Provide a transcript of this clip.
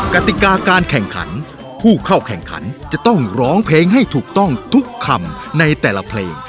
กติกาการแข่งขันผู้เข้าแข่งขันจะต้องร้องเพลงให้ถูกต้องทุกคำในแต่ละเพลง